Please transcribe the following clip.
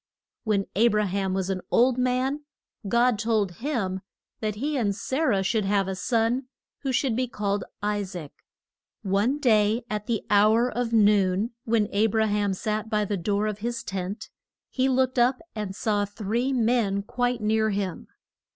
When A bra ham was an old man, God told him that he and Sa rah should have a son, who should be called I saac. One day at the hour of noon, when A bra ham sat by the door of his tent, he looked up and saw three men quite near him.